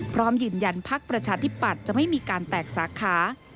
พร้อมยืนยันพักประชาธิปัตย์จะไม่มีการแตกสาขา